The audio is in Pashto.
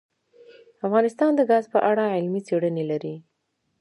افغانستان د ګاز په اړه علمي څېړنې لري.